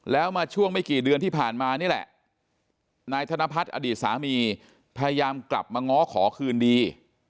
แล้วมาช่วงไม่กี่เดือนที่ผ่านมานี่แหละนายธนพัฒน์อดีตสามีพยายามกลับมาง้อขอคืนดี